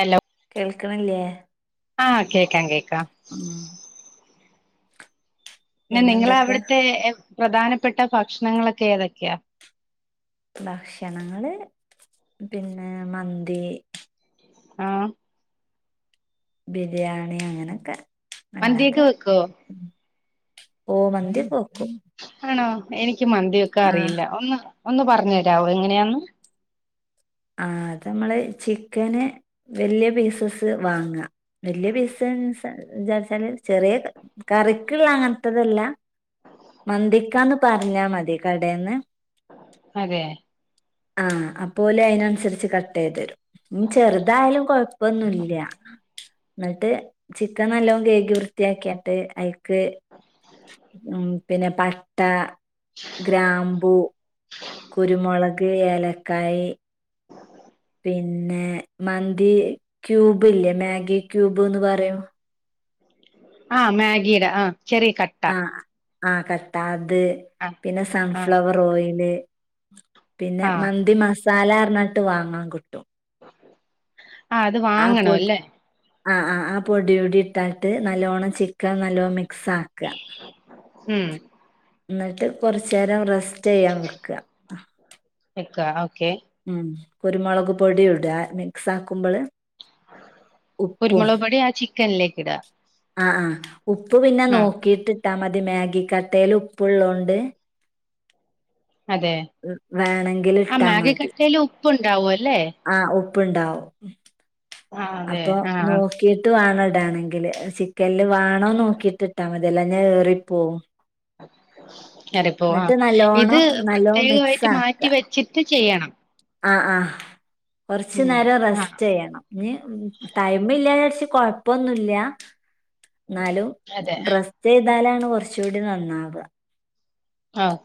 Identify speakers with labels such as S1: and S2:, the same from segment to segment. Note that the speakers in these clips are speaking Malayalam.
S1: ഹലോ
S2: കേൾക്കണല്ലേ [inaudible]
S1: ആഹ് കേക്കാാം കേക്ക്
S2: ആഹ്
S1: പിന്നെ നിങ്ങടെ അവിടുത്തെ പ്രധാനപ്പെട്ട ഭക്ഷണങ്ങളൊക്കെ ഏതൊക്കെയാ
S2: ഭക്ഷണങ്ങള് പിന്നെ മന്തി
S1: ആഹ
S2: ബിരിയാണി അങ്ങനൊക്കെ
S1: മന്തിയൊക്കെ
S2: അല്ലാതെ
S1: വെക്കോ
S2: ഓ മന്തി ഓക്കെ വെക്കും
S1: ആണോ എനിക്ക് എക്ക് മന്തി വെക്കാൻ
S2: ആഹ്
S1: അറിയില്ല ഒന്ന് ഒന്ന് പറഞ്ഞു തരാമോ എങ്ങനെയാന്ന്
S2: ആ അത് നമ്മള് ചിക്കന് വല്യ പീസസ് വാങ്ങാം വല്യ പീസ വിചാച്ചാല് ചെറിയ കറിക്കുള്ള അങ്ങനെയല്ല മന്തിക്കാന്ന് പറഞ്ഞാ മതി കടേന്ന്
S1: അതേ
S2: ആ അപ്പോല് അ തിനനുസരിച്ച് കട്ടെയ്തെരും ഉം ചെറുതായാലും കൊഴപ്പൊന്നുല്ല എന്നിട്ട് ചിക്കൻ നല്ലോ കഴുകി വൃത്തിയാക്യാട്ട് അയ് ക്ക് ഉം പിന്നെ പട്ട ഗ്രാമ്പൂ കുരുമുളക് ഏലക്കായ് പിന്നെ മന്തി ക്യൂബ് ഇല്ലേ മാഗി ക്യൂബ് ന്ന് പറയും
S1: ആ മാഗിയുടെ ആ ചെറിയ കട്ട
S2: ആ ആ കട്ട അ ത്
S1: ആ
S2: പിന്നെ
S1: ആ
S2: സൺഫ്ലവർ ഓയില് [inaudible] പിന്നെ
S1: ആ
S2: മന്തി മസ സാലാർഞ്ഞാട്ട് വാങ്ങാൻ കിട്ടും
S1: ആഹ് അത്
S2: ആ
S1: വാങ്ങണ
S2: പൊടി
S1: അല്ലേ
S2: ആ ആ ആ പൊടൂടി ട്ടാട്ട് നല്ലോണം ചി ക്ക നല്ലോ മിക്സ് ആക്ക്അ
S1: ഉം
S2: ന്നിട്ട് കൊറച്ചേരം റെസ് ചെയ്യാൻ നിക്ക
S1: വെക്കാം
S2: ഉം കുരുമൊളക് പൊടിയുടാ മിക്സ് ആക്കുമ്പള്
S1: കുരുമൊളക് പൊടി ആ ചി ക്കനിലേക്കിടാ
S2: ആഹ് ആഹ് ഉപ്പ് പിന്നെ നോക്കിയിട്ട് ഇട്ടാ മ തി മാഗി കട്ടേൽ ഉപ്പുള്ളോണ്ട്
S1: അതെ
S2: വേണെങ്കില് ഇട്ടാ മതി
S1: പ്പ് ണ്ടാവൊല്
S2: ആഹ് ഉ പ്പ്ണ്ടാവും
S1: ആ അതെ
S2: അപ്പൊ
S1: ആ
S2: നോക്കിട്ട് വാണം ഇ ട്ടാണെങ്കില് ആഹ് സി ക്കല്ലൊ വാണോ നോക്കിയിട്ട് ഇട്ടാമതി വെല്ലാഞ്ഞ ഏറിപോവും
S1: [inaudible] അതെപ്പൊ ആ ഇത്
S2: നല്ലോണം നല്ലോണം മിക്സ്
S1: പ്രത്യേകവായിട്ട്
S2: ആക്ക
S1: മാറ്റി വെച്ചിട്ട് ചെയ്യണം
S2: ആഹ് ആഹ് കൊറ്ച്ച് നേരം
S1: ആഹ്
S2: റെസ്റ്റെയ്യണം ഞ്ഞ് ഉം ടൈമില്ലേര്ച്ച് കൊഴപ്പൊന്നുല്ല ന്നാലും
S1: അതെ
S2: റെസ്റ്റെയ്താലാണു കൊറ്ച്ചൂടി നന്നാവ്വാ
S1: ആഹ്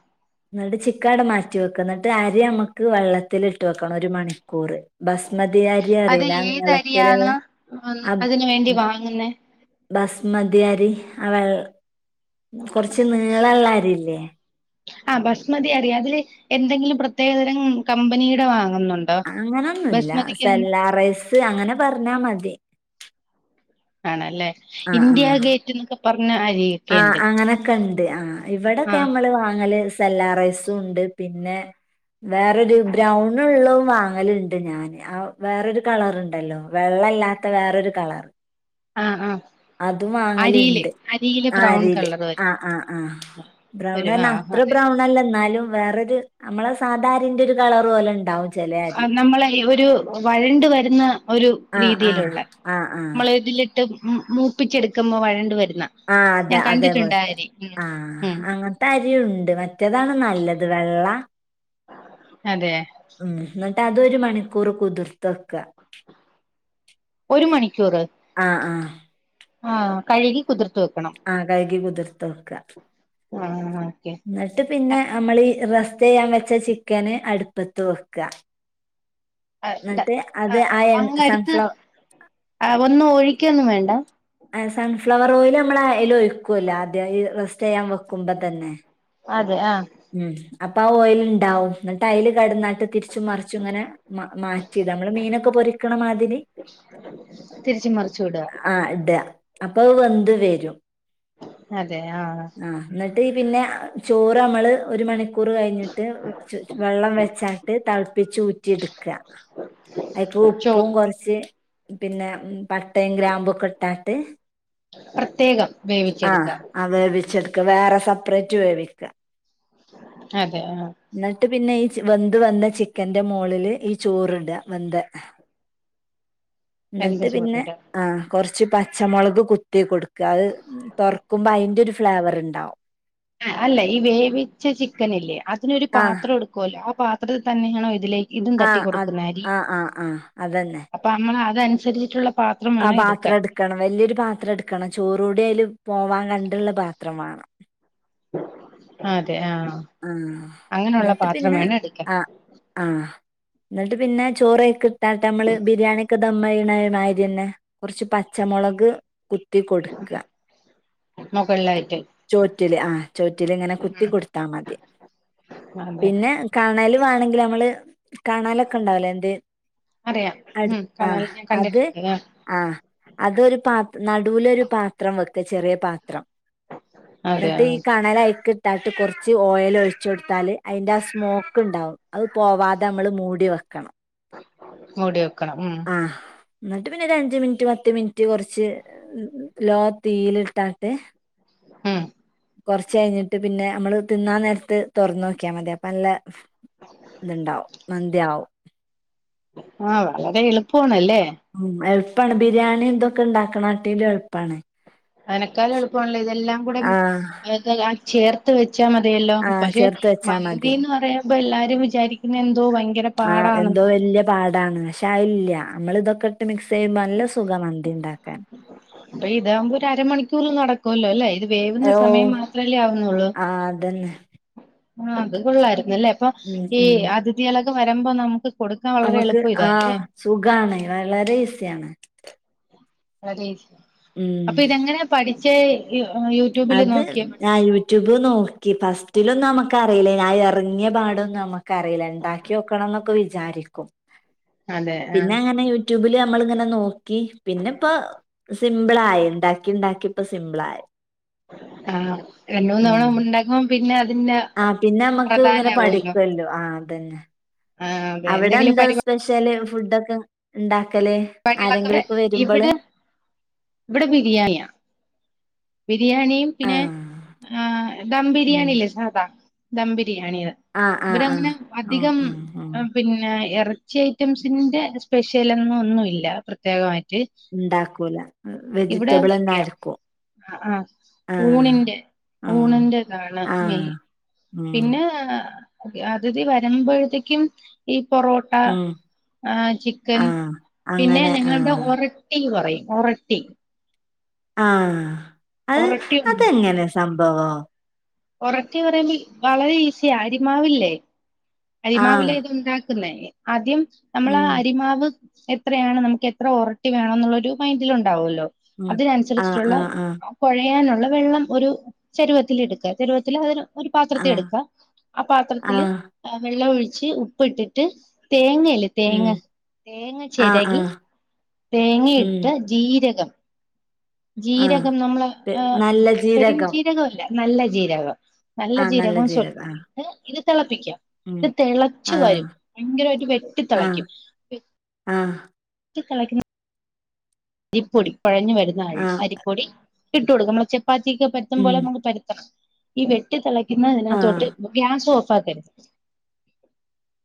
S2: ന്ന്ട്ട് ചിക്കൻ ആടെ മാറ്റി വെക്ക. ന്ന്ട്ട് അരി അമ്മെക്ക് വെള്ളത്തിലിട്ട് വെക്കണം ഒരു മണിക്കൂറ് ബസ്മതി അരി
S1: അത്
S2: അറിയില്ല
S1: ഏതരിയാണ്
S2: നീളത്തിലിള്ളെ അത്
S1: അതിന് വേണ്ടി
S2: ബ
S1: വാങ്ങുന്നേ
S2: ബസ് മതി അരി ആ വെ കൊറച്ച് നീളള്ളെ അരിയില്ലേ
S1: ആ ബസ്മതിയരി അതില് എന്തെങ്കിലും പ്രത്യേകതരം ഉം കമ്പനീടെ വാ
S2: അങ്ങനൊന്നുല്ല സെല്ലാ റൈസ് അങ്ങനെ പറഞ്ഞാമതി
S1: ആണല്ലേ
S2: ആഹ്
S1: ഇന്ത്യ
S2: ആഹ്
S1: ഗേറ്റ് എന്നൊക്കെ പറഞ്ഞ അരിയൊക്കെ
S2: ആ
S1: ഉണ്ട്
S2: അങ്ങനൊക്കെണ്ട് ആഹ് ഇവിടൊക്കെ
S1: ആഹ്
S2: അമ്മള് വാങ്ങല് സെല്ലാ റൈസുണ്ട് പിന്നെ വേറൊരു ബ്രൗണ്ള്ളും വാങ്ങല്ണ്ട് ഞാൻ ആ വേറൊരു കളറ്ണ്ടല്ലോ വെള്ളല്ലാത്ത വേറൊരു കളർ
S1: ആഹ് ആഹ്
S2: അതും
S1: അരിയില്
S2: വാങ്ങല്ണ്ട്
S1: അരിയില്
S2: ആ
S1: ബ്രൗൺ
S2: രിയില്
S1: കളർ
S2: ആ
S1: വരും
S2: ആ ആ
S1: ഒരു ആ
S2: ബ്രൗണറ്ഞ്ഞ അത്ര
S1: അതെ
S2: ബ്രൗണല്ല ന്നാലും വേറൊരു നമ്മളെ സാധാരിന്റെ ഒരു കളറ് പോലെണ്ടാവും
S1: ആ നമ്മളെ അരി ഒരു വഴണ്ട് വരുന്ന ഒരു
S2: ആ ആ
S1: രീതിയിലുള്ള
S2: ആ ആ
S1: മ്മളതില് ട്ട് മ് മ് മൂപ്പിച്ചെടുക്ക്മ്പോ വഴണ്ട് വരും
S2: ആഹ് അതെ അതേപോലത്തെ ആഹ്
S1: ഉം
S2: അങ്ങത്തെ അരിയുണ്ട് മറ്റേതാണ് നല്ലത് വെള്ള
S1: അതെ
S2: ഉം എന്നിട്ട് അതൊരു മണിക്കൂർ കുതിർത്തക്ക
S1: ഒരു മണിക്കൂറ് ആഹ് കഴുകി കുതിർ
S2: ആഹ് കൈകി കുതിർത്ത് വെക്കാ
S1: ആ ഓക്കെ
S2: എന്നിട്ട് പിന്നെ നമ്മളി ഈ റസ് സ്റ്റ് ചെയ്യാൻ വെച്ച ചിക്കന് അടുപ്പത്ത് വെക്കാ.
S1: അങ്ങ് എടുത്ത്
S2: സൺഫ്ലവർ
S1: ആ ഒന്നും ഒഴിക്കൊന്നും വേണ്ട.
S2: സൺഫ്ലവർ ഓയിൽ നമ്മൾ അയില് ഒഴിക്കുവല്ലോ ആദ്യം ഈ റസ്റ്റ് ചെയ്യാൻ വെക്കുമ്പോ തന്നെ.
S1: ആ
S2: അപ്പോ ആ ഓയില് ഉണ്ടാവും എന്നിട്ട് അയില് കിടന്ന്‌ ഇട്ട് തിരിച്ചും മറിച്ചും ഇങ്ങനെ മാറ്റി നമ്മള് മീനൊക്കെ പൊരിക്കണമാതിരി
S1: തിരിച്ച് മറിച്ച് വിടുക
S2: ആ ഇട്യാ. അപ്പോ അത് വെന്ത് വരും.
S1: അങ്ങനെ അതേ ആഹ്
S2: ട്ട് പിന്നെ ചോറ് നമ്മള് ഒരു മണിക്കൂ കൂറ് കഴിഞ്ഞിട്ട് വെള്ളം വെച്ചാട്ട് തെ ളപ്പിച്ച്ഊറ്റി എടുക്കുക ആയിക്ക് ഉപ്പും
S1: ചോറ്
S2: കുറച്ച് പിന്നെ പട്ടയും ഗ്രാമ്പും ഒക്കെ ഇട്ടാട്ട്.
S1: പ്രത്യേകം വേവിച്ചെടുക്കുക.
S2: ചെടുക്ക വേറെ സെപ്പറേറ്റ് വേവിയ്ക്ക.
S1: അതെ ആഹ്.
S2: പിന്നെ ഈ വെന്ത് വന്ന ചിക്കന്റെ മോളില് ഈ ചോറ് ഇടുക വേന്താ.
S1: വെന്ത
S2: എന്നിട്ട് പിന്നെ
S1: ചോറിട
S2: ആ കുറച്ച് ച്ച് പച്ചമുളക് കുത്തി കൊടുക്ക അത് തുറക്കുമ്പോ അതിന്റെ ഒരു ഫി ഫ്ലേവർ ഉണ്ടാവും.
S1: അല്ല ഈ വേവിച്ച ചിക്കനില്ലേ അതിനൊരു
S2: ആഹ്
S1: പാത്രം എടുക്കുവല്ലോ ആ പാത്ര ത്തി തന്നെയണോ ഇതിലേക്ക് ഇതും
S2: ആ
S1: തട്ടി
S2: ആ
S1: കൊടുക്കുന്ന അരി
S2: ആഹ് ആഹ് ആഹ് അതന്നെ.
S1: അതനുസരിട്ടുള്ള
S2: ആ പാത്രം എടുക്കണം വലിയൊരു പാത്രം എടുക്കണം ചോറ കൂടി അതിൽ പോവാൻ കണ്ടുള്ള പാത്രമാണ്ണം
S1: അതെ ആ
S2: ആഹ എന്നിട്ട് പിന്നെ
S1: എടുക്കാൻ
S2: ആ ആഹ എന്നിട്ട് പിന്നെ ചോറൊക്കെ ഇട്ടാട്ട് നമ്മള് ബിരിയാണി ഒക്കെ ദ മ്മമായി ണ മാരി തന്നെ കുറച്ച് പച്ചമുളക് കുത്തി കൊടുക്ക
S1: മുകളിലായിട്ട്
S2: ചോറ്റില് ആ ചോറ്റില് ഇങ്ങനെ കുത്തി കൊടുക്ക കൊടുത്താ മതി
S1: അതെ
S2: പിന്നെ കാണല് വേണെങ്കിൽ നമ്മള് കണലൊക്കെ ഉണ്ടാവലേ എന്ത്
S1: അറിയാം
S2: അടു
S1: ഉം
S2: ആ
S1: കനാൽ ഞാൻ
S2: അത്
S1: കണ്ടിട്ടുണ്ട് ആഹ്
S2: ആ അതൊരു പാത്ര നടുവില ഒരു പാത്രം വെക്കും ചെറിയ ചത്രം
S1: അതെ
S2: എന്നിട്ട് ഈ
S1: ആഹ്
S2: കണലയിക്ക താട്ട് കുറ ച്ച് ഓയിൽ ഒഴിച്ചെടുത്താല് അതിന്റെ ആ സ്മോക്ക് ഉണ്ടാവും അത് പോവാതെ നമ്മള് മൂടി വെക്കണം
S1: മുടിയക്ക ക്കണം ഉം
S2: ആഹ് എന്നിട്ട് പിന്നെ ഒരു അഞ്ച് മിനിറ്റ് പത്ത് മിനിറ്റ് കുറ്റി കുറച്ച് ലോ തീയിലിട്ടാട്ടെ
S1: ഹം
S2: കുറച്ച കഴിഞ്ഞിട്ട് പിന്നെ നമ്മള് തിന്നാൻ നേരത്ത് തുറന്ന് നോക്കിയാ മതി അപ്പ നല്ല ഇതുണ്ടാവും നന്ന്ദയാവും
S1: ആഹ വളരെ എളുപ്പണല്ലേ
S2: ഉ എ ഉപ്പാണ് ബിരിയാണി എന്തൊക്കെ ഉണ്ടാക്കണട്ടീ എളുപ്പമാണ്
S1: അനക്കാലം എളുപ്പണല്ലോ ഇതെല്ലാം കൂടെതൊ
S2: ആഹ്
S1: ചേർ [unintelligible] പച്ചാൽ മതിയല്ലോ
S2: ആഹ്
S1: പക്ഷെ
S2: ചേർത്ത് വെച്ചാ
S1: മന്തിന്ന് പറയാ ഇപ്പ എല്ലാരും വിചാരിക്കുന്ന എ
S2: ആഹ എന്തോ വലിയ പാടാണ് ല്ലല്ലാ നമ്മള് ഇതൊക്കെ ഇട്ട് മിക്സ് ചെയ്യുമ്പോ നല്ല സുഖാ മന്തി ഇണ്ടാക്കാൻ
S1: അപ്പൊ ഇതകുമ്പോ ഒരു അരമണിക്കൂറ് നടക്കുമല്ലോ അല്ലേ ഇത് വേവുന്ന
S2: ഓഹ്
S1: സമയം മാത്രല്ലേ ആവുന്നുള്ളൂ
S2: ആഹ് അതന്നെ
S1: ആ അത് കൊള്ളായിരിക്കും അല്ലേ അപ്പൊ
S2: ഉം
S1: ഈ
S2: ഉം
S1: അതിഥികള് ക്ക് വരുമ്പോ നമുക്ക് കൊടുക്കാൻ വളരെ
S2: നമുക്ക്
S1: എളുപ്പം
S2: ആ
S1: ഇതാല്ലേ
S2: സുഖാണ് വളരെ ഈസിയാണ്
S1: അതേ
S2: ഉം
S1: അപ്പൊ ഇതെങ്ങനെയാ പഠിക് ചേ
S2: അത് ഞാൻ യൂട്യൂബ് നോക്ക് ക്കി ഫസ്റ്റിലൊന്നും നമക്ക് അറീലേ ആ ഇറങ്ങ്യയ പാടൊന്നും നമ്മുക്കറീല ഇണ്ടാക്യോക്കണന്നൊക്കെ വിചാരിക്കും
S1: അതെ ആ
S2: പിന്നെ അങ്ങനെ യൂട്യൂബില് നമ്മള്ങ്ങനെ നോക്കി പിന്നെ ഇപ്പം സിംമ്പിളായി ഉണ്ടാക്കി ഉണ്ടാക്കി ഇപ്പ സിമ്പിളായി
S1: ആ രണ്ട്മൂന്ന് തവണ
S2: ഉം
S1: മ്മള് ഉണ്ടാക്കും പിന്നെ അതിന്റെ
S2: ആ പിന്നെ മ്മക്ക് ഇങ്ങനെ
S1: പ്രധാനാവുല്ലോ
S2: പഠിക്ക്യാല്ലോ ആ ധന്നെ
S1: ആഹ് അതെ
S2: അവിടെ
S1: എന്തെങ്കിലും
S2: എന്ത സ്പെഷ്യല് ഫുഡ് ഒക്കെ ഇണ്ടാ
S1: വികളൊക്കെ ഇവിടെ ഇവിടെ ബിരിയാണിയാ ബിരിയാണിയും
S2: ആ
S1: പിന്നെ ആ ദം
S2: ഉം
S1: ബിരിയാണില്ലേ സാദാ ദംബി ബിരിയാണിടെ
S2: ആ ആ ആ
S1: ഇവരങ്ങനെ
S2: ഉം
S1: അധികം
S2: ഉം ഉം
S1: മം പിന്നെ ഇറ ച്ചി ഐറ്റംസിന്റെ സ്പെഷ്യൽ എന്ന ഒന്നു ല്ല പ്രത്യേകമായിട്ട്
S2: ഉണ്ടാക്കൂല
S1: ഇവിടെ അതൊക്കെയ അ ആ
S2: ആ
S1: ഊണിന്റെ
S2: ആ
S1: ഊണിന്റെ കാണ്
S2: ആ
S1: മെയ്ൻ
S2: ഉം
S1: പിന്നെ അതിഥി വരുമ്പോഴത്തേക്കും ഈ പൊറോട്ടാ
S2: ഉം
S1: ആ ചിക്കൻ
S2: ആ
S1: പിന്നെ
S2: അങ്ങനെ ആ
S1: ഞങ്ങളിവിടെ ഒറട്ടി ന്ന് പറയും ഒറട്ടി
S2: ആ അത്
S1: ഒറട്ടി
S2: അതെങ്ങനെ സംഭ ആ ആ
S1: ഒറാട്ടി പറയുമ്പോ വളരെ ഈസിയ അരിമാവില്ലേ
S2: ആ!
S1: അരിമാവിലെ ഇത് ഉണ്ടാ ക്കുന്നേ ആദ്യം നമ്മളാ അരിമാവ് എത്രയാണ് നമുക്ക് എത്ര ഉറട്ടി വേണം എന്നുള്ളൊരു മൈൻഡിൽണ്ടാവുമല്ലോ അതിനനുസരിച്ചിട്ടുള്ള
S2: ആ!
S1: കുഴയാന ഉള്ളവെള്ളം ഒരു ചരുവത്തിൽ എടുക്കൻ ചാരുവത്തിൽ ആയെന്നു ഒരു പാത്രത്തി എടുക്കാ ആ പാത്രത്തില് വെള്ളം ഒഴിച്ച് കുറച്ച് ഉപ്പിടിട്ട് തേങ്ങ തേങ്ങ തേങ്ങ
S2: ആ! ആ!
S1: ചിരകി തേങ്ങയിട്ട് ജീരകം
S2: ആ!
S1: ജീരകം നമ്മള
S2: തെ നല്ല
S1: പെരും ജീരകം എല്ലാ നല്ല ജീരകം നല്ല ജീരകം സൊൽപിട്ട് പ്പിക്ക ഇത്
S2: ആ!
S1: തിളച്ചു വരും ഭയങ്കരമായിട്ട് വെട്ടി
S2: ആ!
S1: തിളയ്ക്കും
S2: ആ!
S1: വെട്ടി തിളക്ക്ണ അരിപ്പൊടി കുഴഞ്ഞു വരുന്ന ആ അരിപ്പൊടി ഇട്ട് കൊടുക്കും നമ്മള് [unintelligible] പരത്തുംപോലെ നമക്ക് പരുത്തണം ഈ വെട്ടി തിള
S2: ആ!
S1: പിന്നെഇതിനകത്തോട്ട് ഗ്യാസ ഓഫ്- പതെ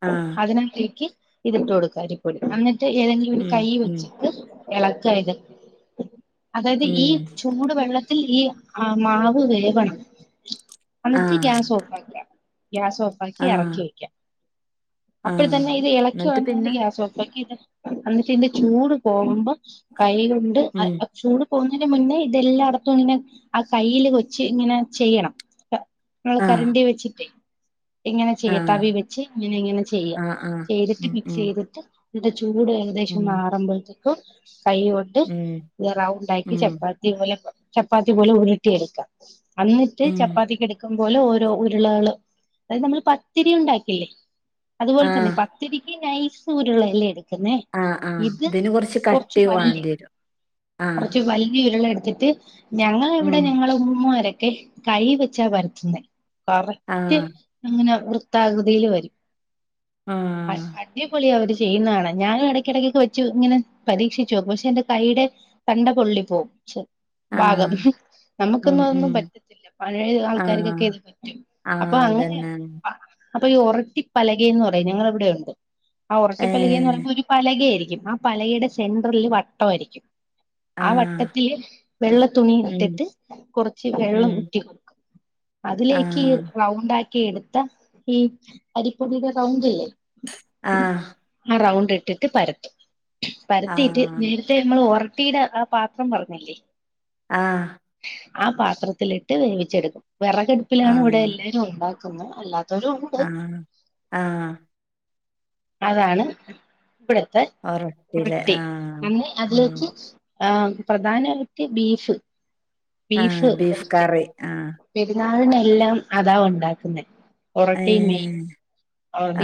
S2: ആ!
S1: അതിനാത്തേക്ക് ഇതിട്ട് കൊടുക്കാ അരിപ്പൊടി അന്നി ഏതെങ്കിലും ഒരു കൈ വെച്ചിട്ട് ഇളകി- [unintelligible] അതായത് ഈ ചുട് വെള്ള ത്തിൽ ഈ മാവ് വേവണം
S2: ആ!
S1: അന്നിട്ട് ഗ്യാസ് ഓഫാക്കുക ഗ്യാസ്
S2: ആ!
S1: ഓഫാക്കിഇറക്കി വെക്കാം
S2: ആ!
S1: അപ്പഴത്തന്നെ ഇത് ഇളക്കി
S2: എന്നിട്ട്
S1: വേണ്ടണ്ട്
S2: പിന്നെ?
S1: ഗ്യാസ് ഓഫ് ആക്കി ഇത് എന്നിട്ട് ഇന്റെ ചൂട് പോകുമ്പോ കൈയ്- ണ്ട് ആ ചൂട് പോകുന്നേന് മുന്നേ ഇതെല്ലായിടത്തും ഇങ്ങനെ ആ കയ്യിൽ വെച്ച് ഇങ്ങനെ ചെയ്യണം നമ്മള്
S2: ആ!
S1: കരണ്ടി വെച്ചിട്ടെ ഇങ്ങനെ
S2: ആ!
S1: ചെയ്യ തവി വെച്ച് ഇങ്ങനെ ഇങ്ങനെ ചെയ്യ
S2: ആ! ആ!
S1: ചെയ്തിട്ട് മിക്സ് ചെയ്തിട്ട് ട്ട് ചൂട് ഏകദേശം മാറുമ്പോഴത്തെ [inaudible] കൈ കൊണ്ട് റൗണ്ട് ആക്കി ചപ്പാത്തി പോലെ പ ചപ്പാത്തി പോലെ ഉരുട്ടി എടുക്കാം അന്നിട്ട് ചപ്പാത്തിക്ക് എടുക്കും പോലെ ഓരോ ഉരുളകള് അതായത് നമ്മള് പത്തിരി ഉണ്ടാക്കില്ലേ
S2: ആ!
S1: അതുപോലെ തന്നെ പത്തിരിക്ക് നൈ സൂര്യൊള്ള എല്ലെടി
S2: ആ ആ ഇതന് കുറച്ച്
S1: കുറച്ച്
S2: കട്ടി
S1: വലിയ
S2: വേണ്ടിവരും. ആ!
S1: കുറച്ച് വലിയ ഉരുള എടു ന്നിട്ട് [unintelligible] ഞങ്ങളെ ഇവിടെ ഞങ്ങളെ ഉമ്മുമ്മാരെ ക്കെ കൈ വെച്ചാ പരത്തുന്നേ
S2: ആ
S1: കറക്റ്റ് ഇങ്ങനെ വൃ ത്താകൃതിയിൽ വരും
S2: ആ
S1: അ അടിപൊളിയാ അവര് ചെയ്യുന്നകാണാൻ ഞാനും ഇടയ്ക്കിടയ്ക്കൊക്കെ വെച്ചു ഇങ്ങനെ പരീക്ഷിച്ചു നോക്കും പക്ഷെ എന്റെ കൈയ്യുടെ തണ്ട പൊള്ളി പോകും
S2: ആ
S1: പാകം
S2: ഉം,
S1: നമുക്കൊന്നും
S2: ഉം.
S1: അതൊന്നും പറ്റത്തില്ല പഴയ
S2: ആ
S1: ആൾക്കാർക്കൊക്കെ ഇത് പറ്റും
S2: ആ
S1: അപ്പൊ അങ്ങനെയ
S2: അതന്നാണ്.
S1: പാ അപ്പൊ ഈ ഒറട്ടിപ്പലകെ എന്ന് പറയും ഞങ്ങളെ ഇവിടെ ഉണ്ട് ആ
S2: ഏ
S1: ഒറട്ടിപ്പലകേന്ന് പറയുമ്പോ ഒരു പലക ആയിരി ആ പലകേടെ സെൻട്രലില് വട്ടം ആയിരിക്കും ആ വട്ടത്തില് വെള്ള തുണി
S2: ഉം,
S1: ഇട്ടിട്ട് കുറച്ച്
S2: ഉം.
S1: വെള്ളം ഉറ്റി കൊടുക്കും
S2: ആ
S1: അതിലേക്ക് റൗണ്ട് ആക്കി ക്കി എടുത്ത ഈ അരിപ്പൊടിയുടെ റൗണ്ടില്ലേ
S2: ആ
S1: ആ റൗണ്ട് ഇട്ടിട്ട് പരത്തും
S2: ആ
S1: പരത്തിട്ട് നേരത്തെ നമ്മൾ ഒറ ട്ടിയുടെ ആ പാത്രം പറഞ്ഞില്ലേ
S2: ആ
S1: ആ പാത്രത്തിലിട്ട് വേവിച്ചെടുക്കും. വിറകടുപ്പിലാണ് ഇവിടെ എല്ലാവരും ഉണ്ടാക്കു പിന്നെ അല്ല
S2: ആന്നാന്നു ആ
S1: അതാണ് വിടത്ത്
S2: ഒറട്ടില്
S1: ഉറട്ടി
S2: ആ
S1: നന്ന്
S2: ഉം.
S1: അതിലേക്ക് ആ പ്രധാനമായിട്ട് ബീഫ്
S2: ആ ബീഫ് കറി ആ
S1: അതിനെല്ലാം അതാ ഉണ്ടാക്കുന്നേ
S2: ഏ
S1: ഒറട്ടി മി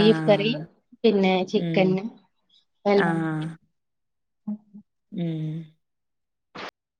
S2: ആ
S1: കറി പിന്നെ
S2: ഉം,
S1: ചിക്കന്
S2: ആ
S1: എല്ലാം
S2: ഉം